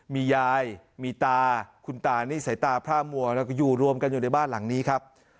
มียายมีตาคุณตานี่สายตาพร่ามัวแล้วก็อยู่รวมกันอยู่ในบ้านหลังนี้ครับ